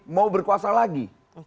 mau berkuasa lagi